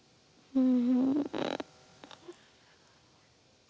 うん。